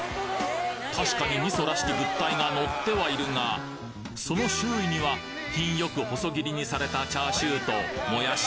確かに味噌らしき物体がのってはいるがその周囲には品良く細切りにされたチャーシューともやし。